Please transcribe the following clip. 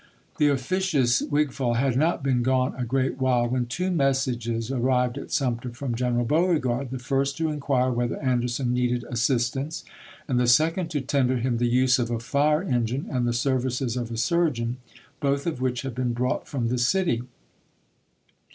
The officious Wigfall had not been gone a great while when two messages arrived at Sumter from General Beauregard — the first to inquire whether Anderson needed assistance, and the second to ten der him the use of a fire engine and the services of a surgeon, both of which had been brought from the city.